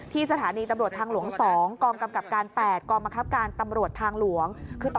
ที่สถานีตำรวจทางหลวงอีกกองกำกัดการตำรวจทางหลวง